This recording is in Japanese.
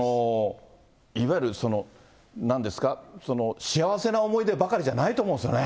いわゆるなんですか、幸せな思い出ばかりじゃないと思うんですよね。